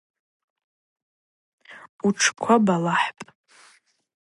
Утшква балахӏпӏ.